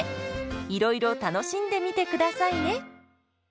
いろいろ楽しんでみてくださいね。